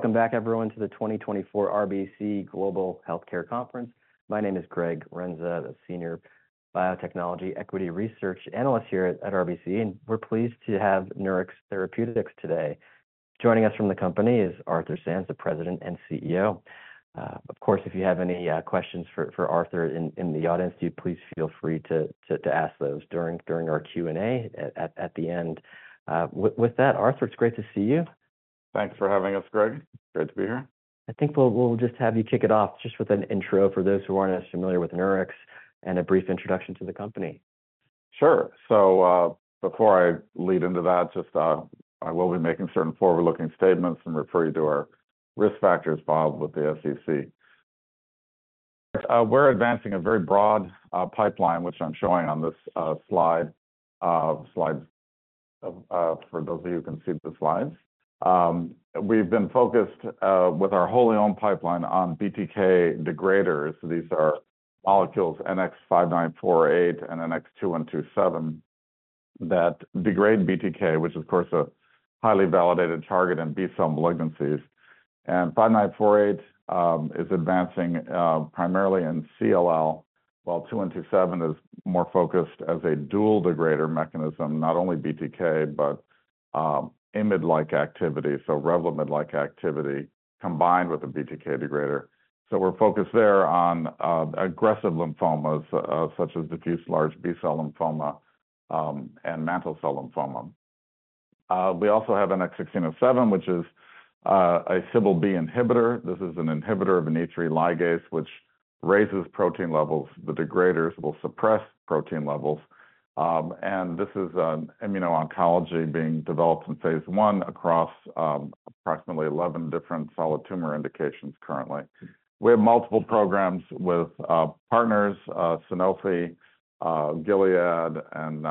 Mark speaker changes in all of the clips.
Speaker 1: ...Welcome back, everyone, to the 2024 RBC Global Healthcare Conference. My name is Greg Renza, the Senior Biotechnology Equity Research Analyst here at RBC, and we're pleased to have Nurix Therapeutics today. Joining us from the company is Arthur Sands, the President and CEO. Of course, if you have any questions for Arthur in the audience, do please feel free to ask those during our Q&A at the end. With that, Arthur, it's great to see you.
Speaker 2: Thanks for having us, Greg. It's great to be here.
Speaker 1: I think we'll just have you kick it off just with an intro for those who aren't as familiar with Nurix, and a brief introduction to the company.
Speaker 2: Sure. So, before I lead into that, just, I will be making certain forward-looking statements and refer you to our risk factors filed with the SEC. We're advancing a very broad pipeline, which I'm showing on this slide for those of you who can see the slides. We've been focused with our wholly owned pipeline on BTK degraders. These are molecules, NX-5948 and NX-2127, that degrade BTK, which of course a highly validated target in B-cell malignancies. And 5948 is advancing primarily in CLL, while 2127 is more focused as a dual degrader mechanism, not only BTK, but IMiD-like activity, so Revlimid-like activity, combined with a BTK degrader. So we're focused there on aggressive lymphomas, such as diffuse large B-cell lymphoma, and mantle cell lymphoma. We also have NX-1607, which is a Cbl-B inhibitor. This is an inhibitor of an E3 ligase, which raises protein levels. The degraders will suppress protein levels, and this is an immuno-oncology being developed in phase 1 across approximately 11 different solid tumor indications currently. We have multiple programs with partners, Sanofi, Gilead, and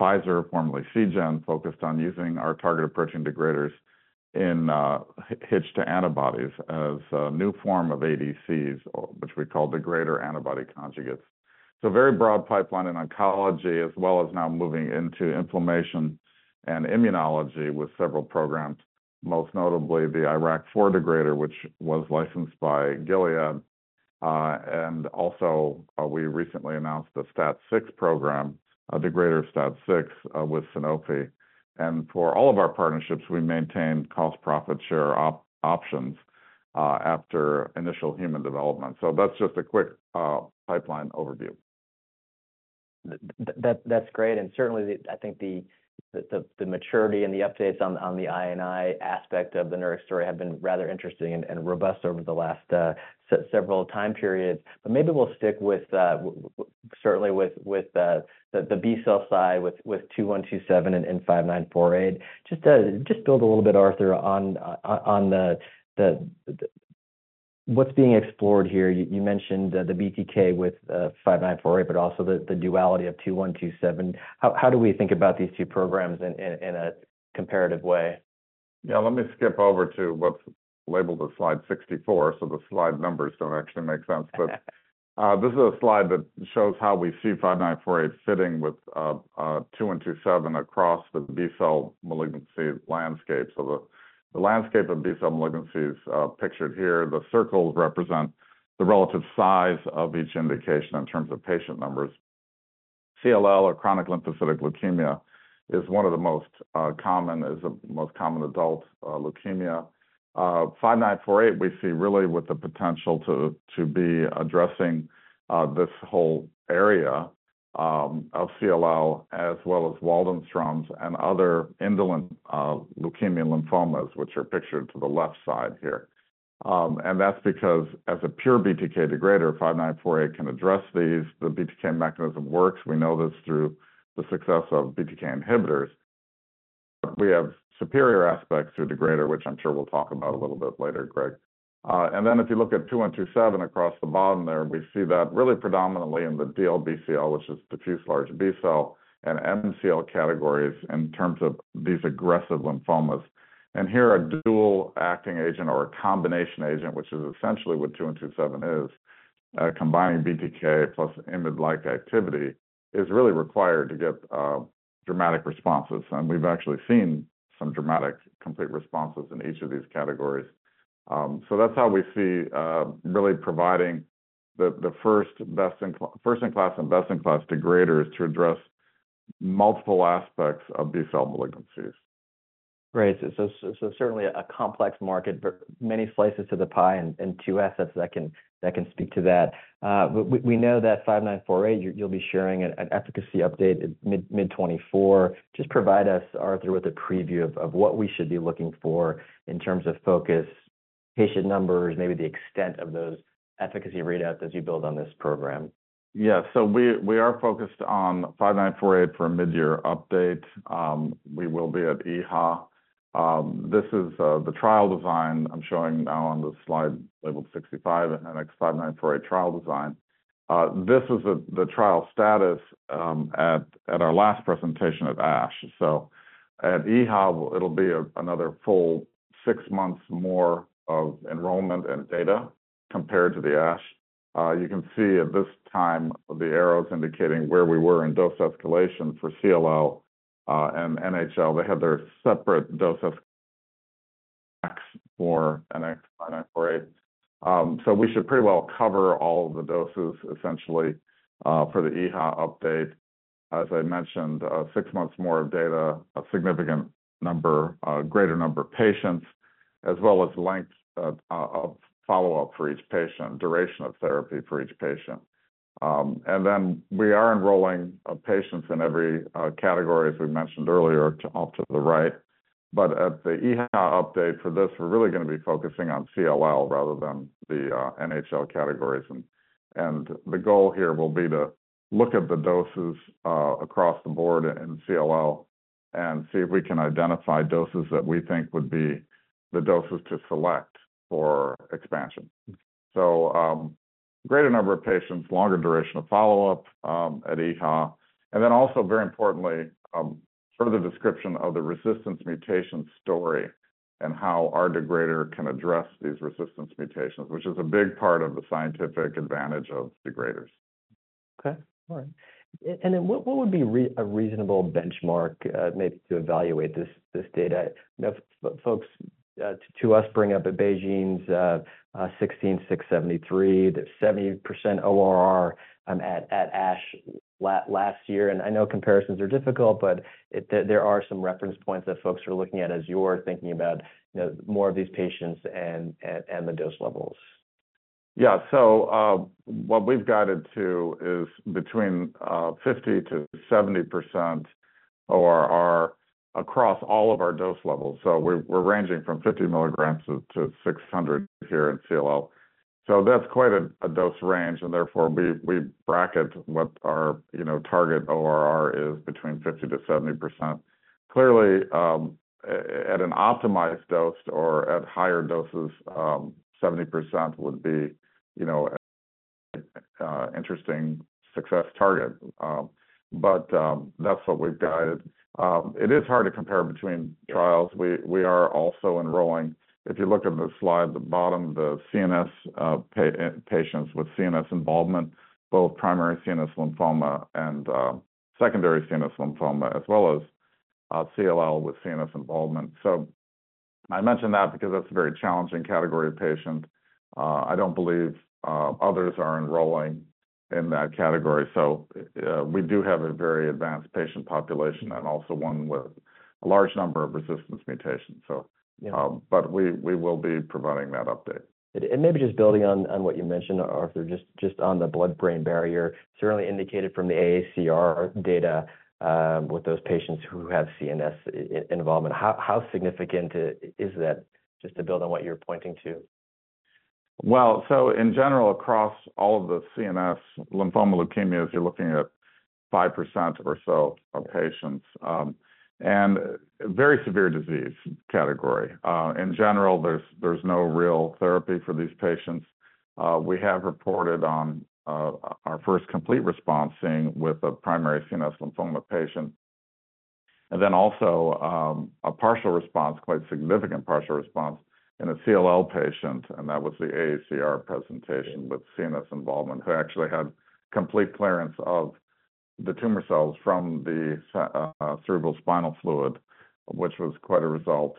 Speaker 2: Pfizer, formerly Seagen, focused on using our targeted protein degraders in hitched to antibodies as a new form of ADCs, which we call degrader antibody conjugates. So very broad pipeline in oncology, as well as now moving into inflammation and immunology with several programs, most notably the IRAK4 degrader, which was licensed by Gilead. And also, we recently announced a STAT6 program, a degrader of STAT6, with Sanofi. And for all of our partnerships, we maintain cost profit share options, after initial human development. So that's just a quick pipeline overview.
Speaker 1: That, that's great, and certainly, I think, the maturity and the updates on the II aspect of the Nurix story have been rather interesting and robust over the last several time periods. But maybe we'll stick with certainly with the B-cell side, with 2127 and 5948. Just to build a little bit, Arthur, on the what's being explored here. You mentioned the BTK with 5948, but also the duality of 2127. How do we think about these two programs in a comparative way?
Speaker 2: Yeah, let me skip over to what's labeled as slide 64, so the slide numbers don't actually make sense. But this is a slide that shows how we see 5948 fitting with 2127 across the B-cell malignancy landscape. So the landscape of B-cell malignancies pictured here, the circles represent the relative size of each indication in terms of patient numbers. CLL or chronic lymphocytic leukemia is one of the most common, is the most common adult leukemia. 5948, we see really with the potential to be addressing this whole area of CLL, as well as Waldenstrom's and other indolent leukemia lymphomas, which are pictured to the left side here. And that's because as a pure BTK degrader, 5948 can address these. The BTK mechanism works. We know this through the success of BTK inhibitors. We have superior aspects to a degrader, which I'm sure we'll talk about a little bit later, Greg. And then if you look at 2127 across the bottom there, we see that really predominantly in the DLBCL, which is diffuse large B-cell, and MCL categories in terms of these aggressive lymphomas. And here, a dual acting agent or a combination agent, which is essentially what 2127 is, combining BTK plus IMiD-like activity, is really required to get dramatic responses. And we've actually seen some dramatic complete responses in each of these categories. So that's how we see really providing the first-in-class and best-in-class degraders to address multiple aspects of B-cell malignancies.
Speaker 1: Right. So certainly a complex market, but many slices to the pie and two assets that can speak to that. But we know that NX-5948, you'll be sharing an efficacy update at mid-2024. Just provide us, Arthur, with a preview of what we should be looking for in terms of focus, patient numbers, maybe the extent of those efficacy readouts as you build on this program.
Speaker 2: Yeah. So we are focused on NX-5948 for a mid-year update. We will be at EHA. This is the trial design I'm showing now on the slide labeled 65, NX-5948 trial design. This is the trial status at our last presentation at ASH. So at EHA, it'll be another full six months more of enrollment and data compared to the ASH. You can see at this time, the arrows indicating where we were in dose escalation for CLL and NHL. They had their separate dose escalation for NX-5948. So we should pretty well cover all of the doses essentially for the EHA update. As I mentioned, six months more of data, a significant number, a greater number of patients, as well as length of follow-up for each patient, duration of therapy for each patient. Then we are enrolling patients in every category, as we mentioned earlier, to the right. But at the EHA update for this, we're really going to be focusing on CLL rather than the NHL categories. And the goal here will be to look at the doses across the board in CLL and see if we can identify doses that we think would be the doses to select for expansion. So, greater number of patients, longer duration of follow-up at EHA. And then also, very importantly, further description of the resistance mutation story and how our degrader can address these resistance mutations, which is a big part of the scientific advantage of degraders.
Speaker 1: Okay, all right. And then what would be a reasonable benchmark, maybe to evaluate this data? You know, folks, to us, bring up BeiGene's 16673, the 70% ORR at ASH last year. And I know comparisons are difficult, but there are some reference points that folks are looking at as you're thinking about, you know, more of these patients and the dose levels.
Speaker 2: Yeah. So, what we've guided to is between 50%-70% ORR across all of our dose levels. So we're ranging from 50 milligrams to 600 here in CLL. So that's quite a dose range, and therefore, we bracket what our, you know, target ORR is between 50%-70%. Clearly, at an optimized dose or at higher doses, 70% would be, you know, interesting success target. But that's what we've guided. It is hard to compare between trials. We are also enrolling... If you look at the slide, the bottom, the CNS patients with CNS involvement, both primary CNS lymphoma and secondary CNS lymphoma, as well as CLL with CNS involvement. So I mention that because that's a very challenging category of patient. I don't believe others are enrolling in that category, so we do have a very advanced patient population and also one with a large number of resistance mutations. So-
Speaker 1: Yeah.
Speaker 2: But we will be providing that update.
Speaker 1: Maybe just building on what you mentioned, Arthur, just on the blood-brain barrier, certainly indicated from the AACR data with those patients who have CNS involvement. How significant is that, just to build on what you're pointing to?
Speaker 2: Well, so in general, across all of the CNS lymphoma leukemias, you're looking at 5% or so of patients, and very severe disease category. In general, there's no real therapy for these patients. We have reported on our first complete response, seeing with a primary CNS lymphoma patient, and then also a partial response, quite significant partial response in a CLL patient, and that was the AACR presentation with CNS involvement, who actually had complete clearance of the tumor cells from the cerebrospinal fluid, which was quite a result,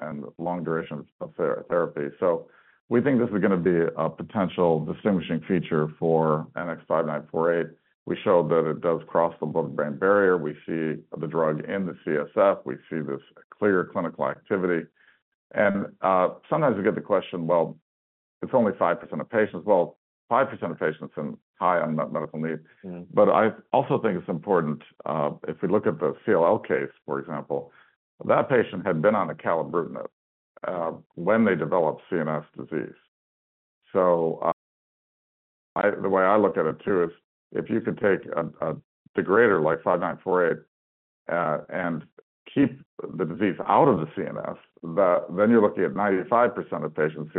Speaker 2: and long duration of the therapy. So we think this is going to be a potential distinguishing feature for NX-5948. We showed that it does cross the blood-brain barrier. We see the drug in the CSF, we see this clear clinical activity. Sometimes we get the question, "Well, it's only 5% of patients." Well, 5% of patients in high unmet medical need.
Speaker 1: Mm-hmm.
Speaker 2: But I also think it's important, if we look at the CLL case, for example, that patient had been on acalabrutinib, when they developed CNS disease. So, the way I look at it, too, is if you could take a degrader like 5948, and keep the disease out of the CNS, then you're looking at 95% of patients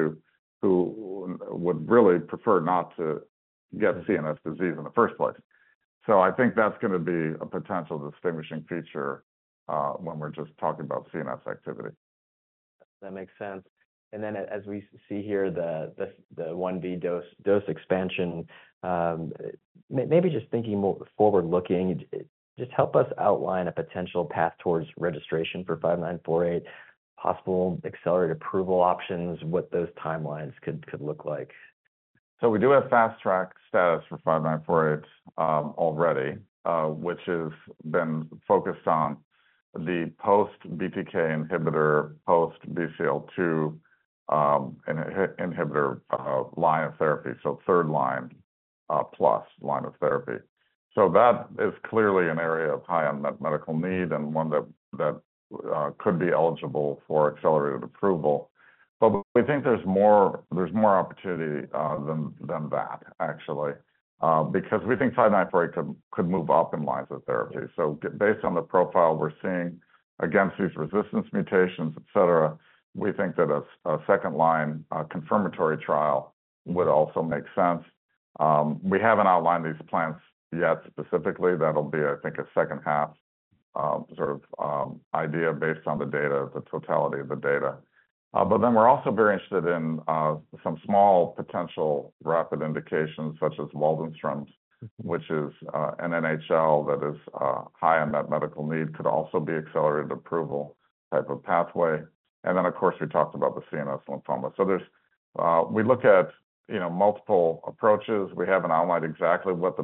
Speaker 2: who would really prefer not to get CNS disease in the first place. So I think that's going to be a potential distinguishing feature, when we're just talking about CNS activity.
Speaker 1: That makes sense. And then as we see here, the 1B dose expansion, maybe just thinking more forward-looking, just help us outline a potential path towards registration for 5948, possible accelerated approval options, what those timelines could look like.
Speaker 2: So we do have fast track status for 5948 already, which has been focused on the post-BTK inhibitor, post-BCL-2 inhibitor line of therapy, so third line plus line of therapy. So that is clearly an area of high unmet medical need and one that could be eligible for accelerated approval. But we think there's more, there's more opportunity than that, actually, because we think 5948 could move up in lines of therapy. So based on the profile we're seeing against these resistance mutations, et cetera, we think that a second-line confirmatory trial would also make sense. We haven't outlined these plans yet, specifically. That'll be, I think, a second half... sort of idea based on the data, the totality of the data. But then we're also very interested in some small potential rapid indications, such as Waldenstrom's, which is an NHL that is high on that medical need, could also be accelerated approval type of pathway. And then, of course, we talked about the CNS lymphoma. So there's we look at, you know, multiple approaches. We haven't outlined exactly what the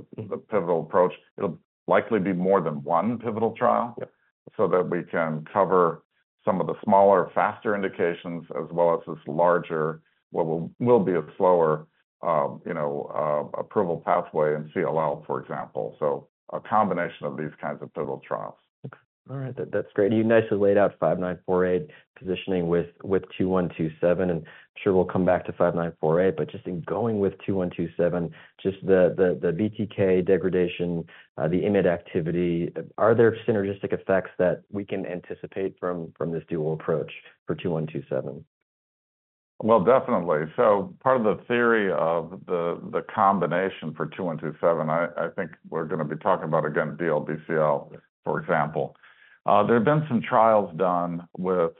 Speaker 2: pivotal approach. It'll likely be more than one pivotal trial-
Speaker 1: Yeah.
Speaker 2: so that we can cover some of the smaller, faster indications, as well as this larger, what will be a slower, you know, approval pathway in CLL, for example. So a combination of these kinds of pivotal trials.
Speaker 1: All right. That's great. You nicely laid out 5948 positioning with 2127, and I'm sure we'll come back to 5948. But just in going with 2127, just the BTK degradation, the IMiD activity, are there synergistic effects that we can anticipate from this dual approach for 2127?
Speaker 2: Well, definitely. So part of the theory of the combination for 2127, I think we're gonna be talking about, again, DLBCL, for example. There have been some trials done with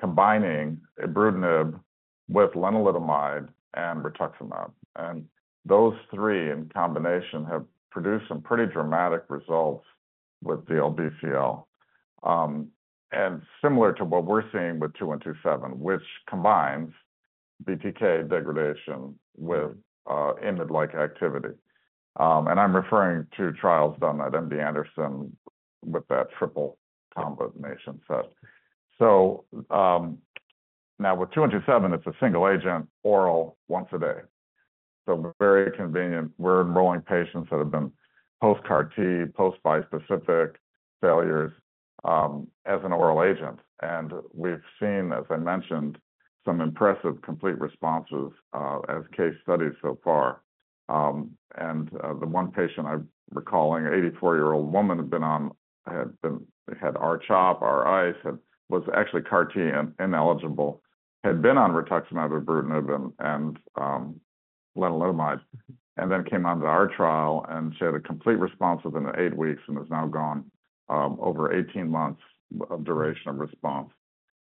Speaker 2: combining ibrutinib with lenalidomide and rituximab, and those three, in combination, have produced some pretty dramatic results with DLBCL. And similar to what we're seeing with 2127, which combines BTK degradation with IMiD-like activity. And I'm referring to trials done at MD Anderson with that triple combination set. So, now, with 2127, it's a single agent, oral, once a day, so very convenient. We're enrolling patients that have been post-CAR T, post-bispecific failures, as an oral agent. And we've seen, as I mentioned, some impressive complete responses, as case studies so far. The one patient I'm recalling, an 84-year-old woman, had been on R-CHOP, R-ICE, and was actually CAR T ineligible, had been on rituximab, ibrutinib, and lenalidomide, and then came onto our trial, and she had a complete response within the 8 weeks and has now gone over 18 months of duration of response.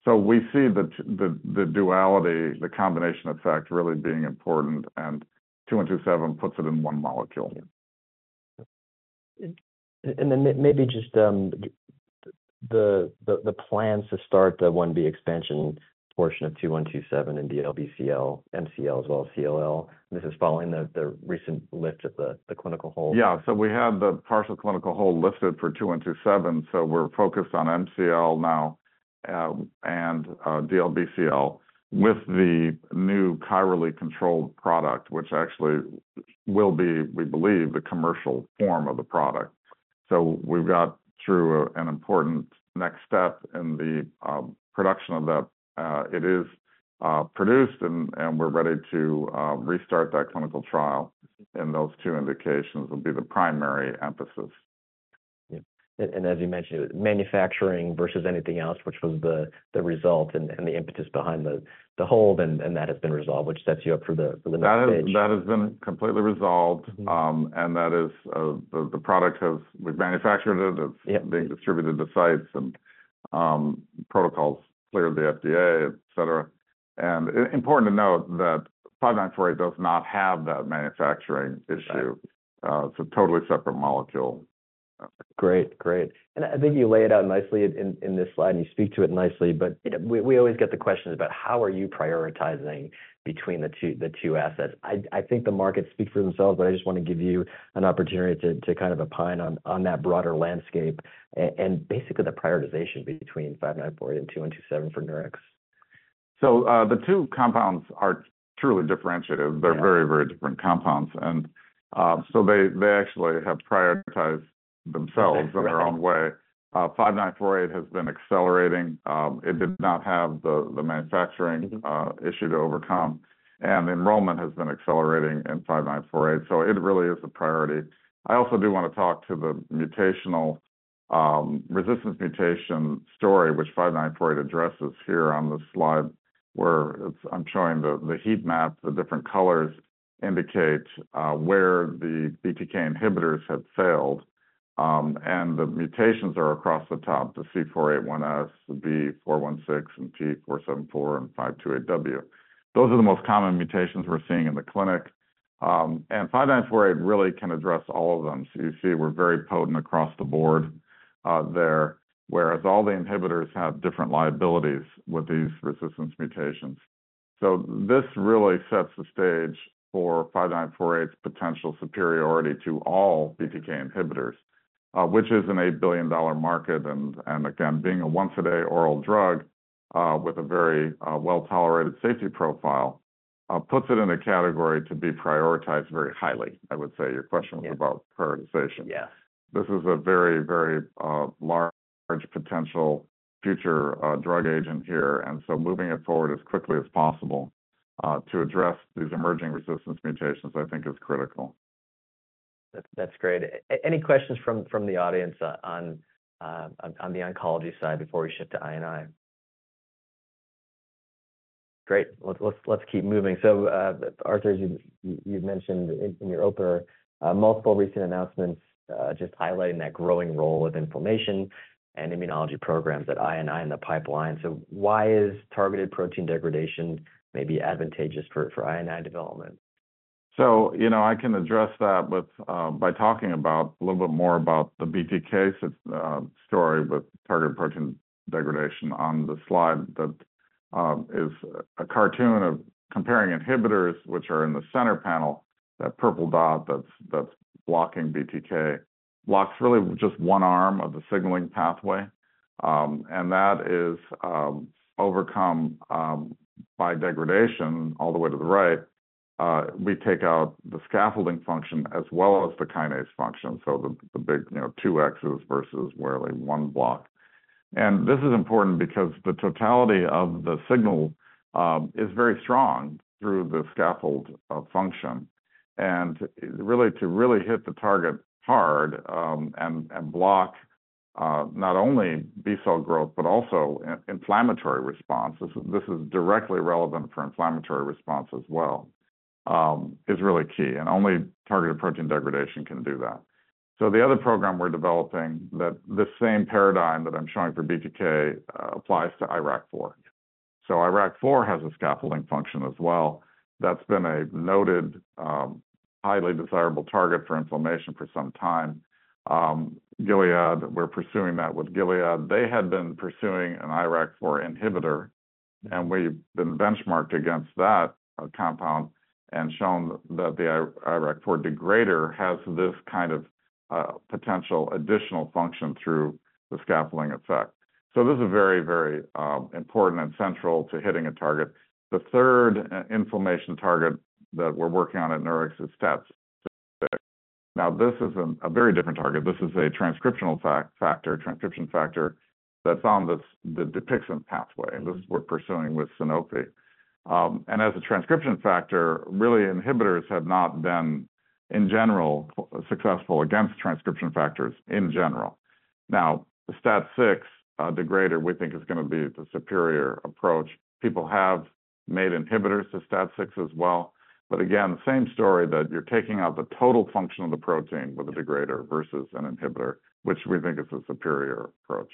Speaker 2: So we see the duality, the combination effect really being important, and 2127 puts it in one molecule.
Speaker 1: Yeah. And then maybe just the plans to start the 1B expansion portion of 2127 in DLBCL, MCL, as well as CLL. This is following the recent lift of the clinical hold.
Speaker 2: Yeah. So we had the partial clinical hold lifted for 2127, so we're focused on MCL now, and DLBCL, with the new chirally controlled product, which actually will be, we believe, the commercial form of the product. So we've got through an important next step in the production of that. It is produced, and we're ready to restart that clinical trial, and those two indications will be the primary emphasis.
Speaker 1: Yeah. And as you mentioned, manufacturing versus anything else, which was the result and the impetus behind the hold, and that has been resolved, which sets you up for the next stage.
Speaker 2: That has, that has been completely resolved.
Speaker 1: Mm-hmm.
Speaker 2: And that is the product has. We've manufactured it. It's
Speaker 1: Yeah...
Speaker 2: being distributed to sites, and protocols cleared the FDA, et cetera. And important to note that 5948 does not have that manufacturing issue.
Speaker 1: Right.
Speaker 2: It's a totally separate molecule.
Speaker 1: Great. Great. And I think you lay it out nicely in this slide, and you speak to it nicely, but, you know, we always get the questions about how are you prioritizing between the two assets? I think the markets speak for themselves, but I just want to give you an opportunity to kind of opine on that broader landscape and basically the prioritization between 5948 and 2127 for Nurix.
Speaker 2: The two compounds are truly differentiated.
Speaker 1: Yeah.
Speaker 2: They're very, very different compounds. And, so they actually have prioritized themselves-
Speaker 1: Exactly...
Speaker 2: in their own way. NX-5948 has been accelerating. It did not have the manufacturing-
Speaker 1: Mm-hmm...
Speaker 2: issue to overcome, and enrollment has been accelerating in 5948, so it really is a priority. I also do want to talk to the mutational, resistance mutation story, which 5948 addresses here on this slide, where it's. I'm showing the heat map. The different colors indicate where the BTK inhibitors have failed, and the mutations are across the top, the C481S, the B416, and T474, and 528W. Those are the most common mutations we're seeing in the clinic. And 5948 really can address all of them. So you see we're very potent across the board, there, whereas all the inhibitors have different liabilities with these resistance mutations. So this really sets the stage for 5948's potential superiority to all BTK inhibitors, which is an $8 billion market. And again, being a once-a-day oral drug, with a very well-tolerated safety profile, puts it in a category to be prioritized very highly, I would say. Your question-
Speaker 1: Yeah...
Speaker 2: was about prioritization.
Speaker 1: Yeah.
Speaker 2: This is a very, very, large potential future, drug agent here, and so moving it forward as quickly as possible, to address these emerging resistance mutations, I think is critical.
Speaker 1: That's great. Any questions from the audience on the oncology side before we shift to I&I?... Great. Let's keep moving. So, Arthur, as you've mentioned in your opener, multiple recent announcements, just highlighting that growing role of inflammation and immunology programs at I&I in the pipeline. So why is targeted protein degradation maybe advantageous for I&I development?
Speaker 2: So, you know, I can address that with by talking about a little bit more about the BTK case story with targeted protein degradation on the slide. That is a cartoon of comparing inhibitors, which are in the center panel, that purple dot that's blocking BTK, blocks really just one arm of the signaling pathway. And that is overcome by degradation all the way to the right. We take out the scaffolding function as well as the kinase function, so the big, you know, two X's versus where only one block. And this is important because the totality of the signal is very strong through the scaffold of function. And really, to really hit the target hard, and block not only B-cell growth, but also inflammatory responses, this is directly relevant for inflammatory response as well, is really key, and only targeted protein degradation can do that. So the other program we're developing, that this same paradigm that I'm showing for BTK, applies to IRAK4. So IRAK4 has a scaffolding function as well. That's been a noted, highly desirable target for inflammation for some time. Gilead, we're pursuing that with Gilead. They had been pursuing an IRAK4 inhibitor, and we've been benchmarked against that, compound and shown that the IRAK4 degrader has this kind of, potential additional function through the scaffolding effect. So this is very, very, important and central to hitting a target. The third inflammation target that we're working on at Nurix is STAT6. Now, this is a very different target. This is a transcription factor that's on the degradation pathway. This is we're pursuing with Sanofi. And as a transcription factor, really, inhibitors have not been, in general, successful against transcription factors in general. Now, the STAT6 degrader, we think, is gonna be the superior approach. People have made inhibitors to STAT6 as well, but again, same story, that you're taking out the total function of the protein with a degrader versus an inhibitor, which we think is a superior approach.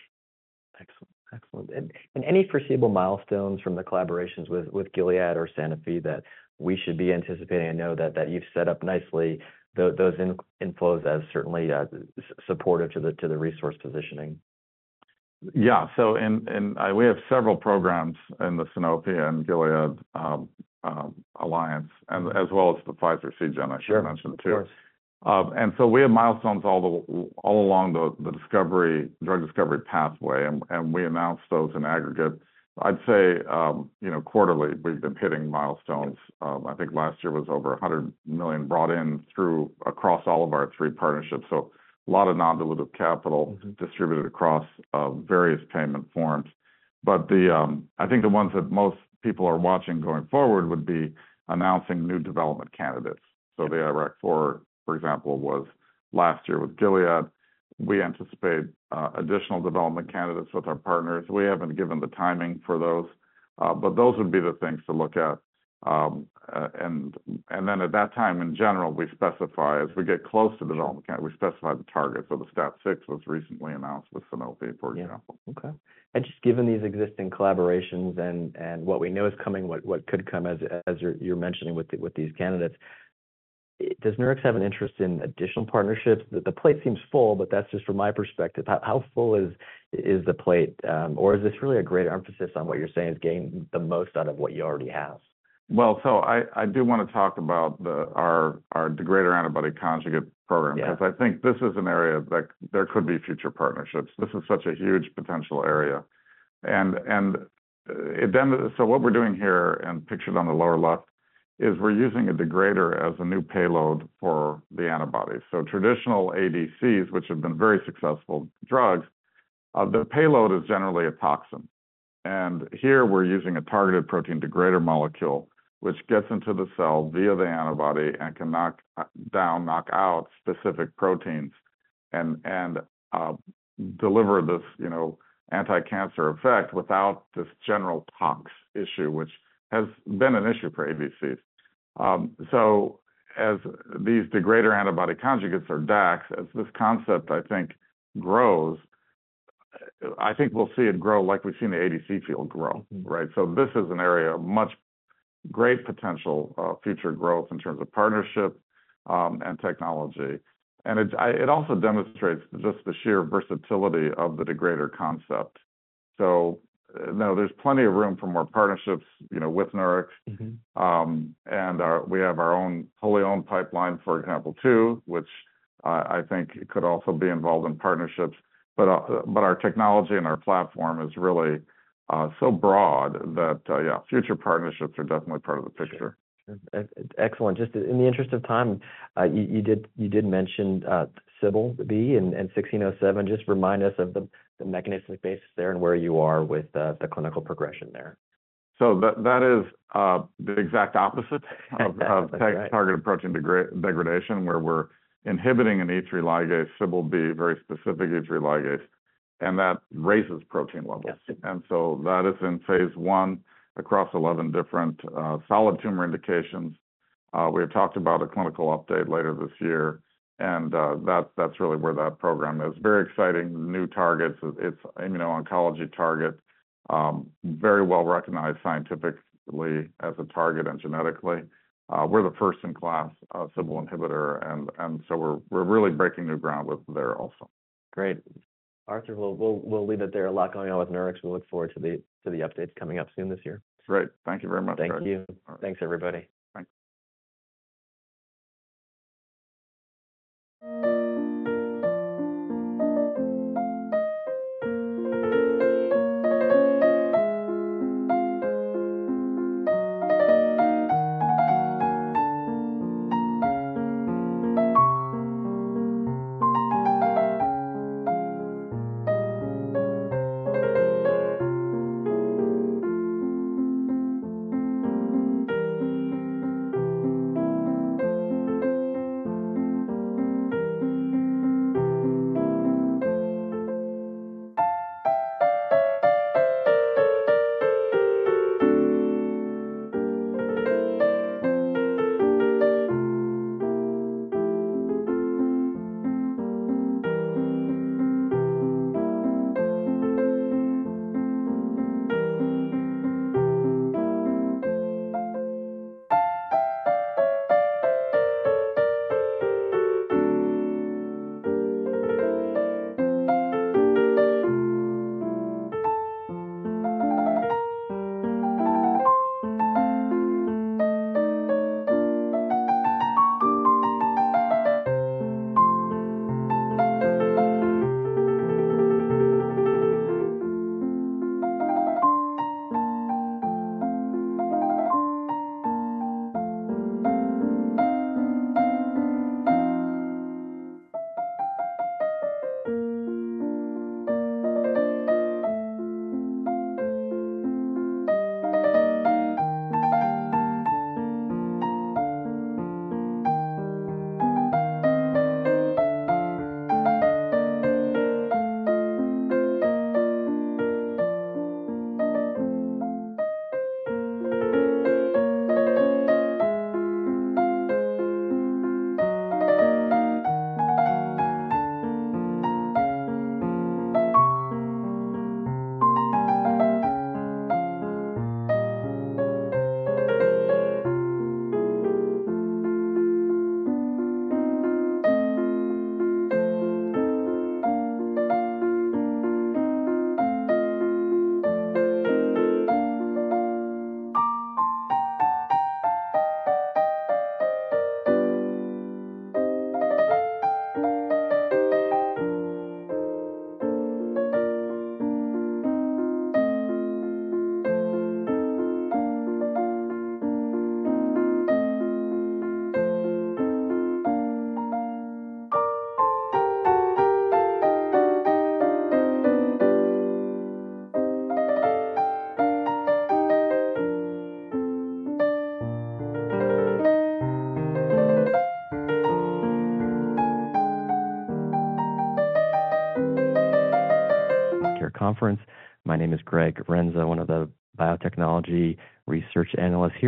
Speaker 1: Excellent. Excellent. And any foreseeable milestones from the collaborations with Gilead or Sanofi that we should be anticipating? I know that you've set up nicely those inflows as certainly supportive to the resource positioning.
Speaker 2: Yeah. So, we have several programs in the Sanofi and Gilead alliance, and as well as the Pfizer Seagen-
Speaker 1: Sure...
Speaker 2: I should mention, too.
Speaker 1: Sure.
Speaker 2: And so we have milestones all along the discovery, drug discovery pathway, and we announce those in aggregate. I'd say, you know, quarterly, we've been hitting milestones.
Speaker 1: Yes.
Speaker 2: I think last year was over $100 million brought in through across all of our three partnerships, so a lot of non-dilutive capital-
Speaker 1: Mm-hmm...
Speaker 2: distributed across various payment forms. But the, I think the ones that most people are watching going forward would be announcing new development candidates.
Speaker 1: Yes.
Speaker 2: So the IRAK4, for example, was last year with Gilead. We anticipate additional development candidates with our partners. We haven't given the timing for those, but those would be the things to look at. And then at that time, in general, we specify, as we get close to the development count, we specify the target. So the STAT6 was recently announced with Sanofi, for example.
Speaker 1: Yeah. Okay. And just given these existing collaborations and what we know is coming, what could come, as you're mentioning with these candidates, does Nurix have an interest in additional partnerships? The plate seems full, but that's just from my perspective. How full is the plate, or is this really a greater emphasis on what you're saying is getting the most out of what you already have?
Speaker 2: Well, so I do wanna talk about our degrader antibody conjugate program-
Speaker 1: Yeah...
Speaker 2: because I think this is an area that there could be future partnerships. This is such a huge potential area. So what we're doing here, and pictured on the lower left, is we're using a degrader as a new payload for the antibody. So traditional ADCs, which have been very successful drugs, the payload is generally a toxin, and here we're using a targeted protein degrader molecule, which gets into the cell via the antibody and can knock down, knock out specific proteins and deliver this, you know, anticancer effect without this general tox issue, which has been an issue for ADCs. So as these degrader antibody conjugates, or DACs, as this concept, I think, grows, I think we'll see it grow like we've seen the ADC field grow.
Speaker 1: Mm-hmm.
Speaker 2: Right? So this is an area of much great potential, future growth in terms of partnership, and technology. And it's, it also demonstrates just the sheer versatility of the degrader concept. So now there's plenty of room for more partnerships, you know, with Nurix.
Speaker 1: Mm-hmm.
Speaker 2: And we have our own wholly owned pipeline, for example, too, which I think could also be involved in partnerships. But our technology and our platform is really so broad that yeah, future partnerships are definitely part of the picture.
Speaker 1: Sure. Excellent. Just in the interest of time, you did mention Cbl-B and 1607. Just remind us of the mechanistic basis there and where you are with the clinical progression there?
Speaker 2: So that is the exact opposite-
Speaker 1: That's right...
Speaker 2: of target approaching degradation, where we're inhibiting an E3 ligase, Cbl-B, very specific E3 ligase... and that raises protein levels.
Speaker 1: Yes.
Speaker 2: That is in phase 1 across 11 different solid tumor indications. We have talked about a clinical update later this year, and that, that's really where that program is. Very exciting, new targets. It's immuno-oncology target, very well recognized scientifically as a target and genetically. We're the first-in-class Cbl inhibitor, and, and so we're, we're really breaking new ground with there also.
Speaker 1: Great. Arthur, we'll leave it there. A lot going on with Nurix. We look forward to the updates coming up soon this year.
Speaker 2: Great. Thank you very much, Greg.
Speaker 1: Thank you.
Speaker 2: All right.
Speaker 1: Thanks, everybody.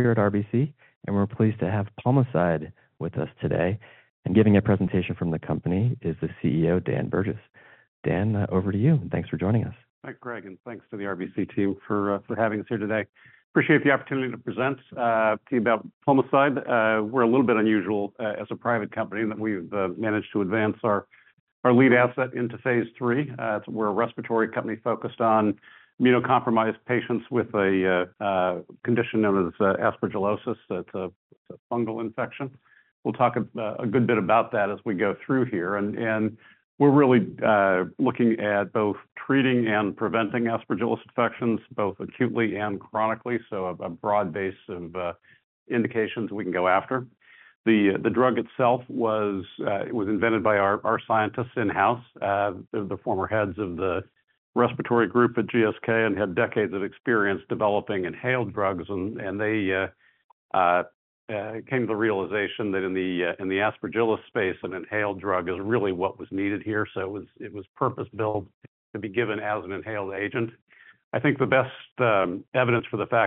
Speaker 2: Bye.
Speaker 1: Healthcare conference. My name is Greg Renza, one of the biotechnology research analysts here at RBC, and we're pleased to have Pulmocide with us today. Giving a presentation from the company is the CEO, Dan Burgess. Dan, over to you, and thanks for joining us.
Speaker 3: Hi, Greg, and thanks to the RBC team for having us here today. Appreciate the opportunity to present to you about Pulmocide. We're a little bit unusual as a private company that we've managed to advance our lead asset into phase 3. We're a respiratory company focused on immunocompromised patients with a condition known as aspergillosis. It's a fungal infection. We'll talk a good bit about that as we go through here, and we're really looking at both treating and preventing aspergillosis infections, both acutely and chronically, so a broad base of indications we can go after. The drug itself was. It was invented by our scientists in-house, the former heads of the respiratory group at GSK and had decades of experience developing inhaled drugs. They came to the realization that in the Aspergillus space, an inhaled drug is really what was needed here. So it was purpose-built to be given as an inhaled agent. I think the best evidence for the fact-